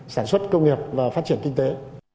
sản xuất công nghiệp và phát triển kinh tế